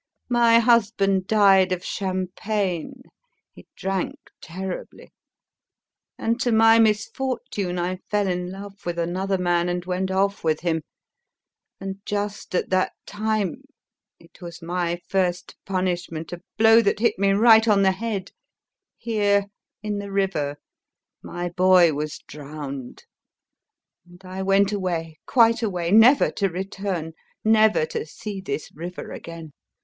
My husband died of champagne he drank terribly and to my misfortune, I fell in love with another man and went off with him, and just at that time it was my first punishment, a blow that hit me right on the head here, in the river... my boy was drowned, and I went away, quite away, never to return, never to see this river again...